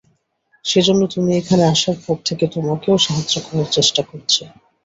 সেজন্য তুমি এখানে আসার পর থেকে তোমাকে ও সাহায্য করার চেষ্টা করছে।